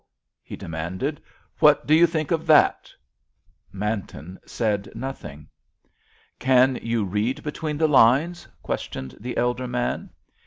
he demanded. "What do you think of that?" Manton said nothing. "Can you read between the lines?" questioned the elder man.